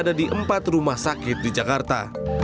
ada di empat rumah sakit di jakarta